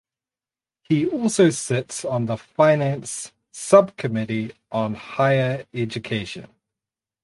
He also sits on the Finance Subcommittee on Higher Education.